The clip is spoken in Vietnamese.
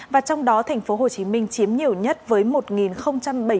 và trong đó thành phố hồ chí minh chiếm nhiều nhất với một bảy mươi một ca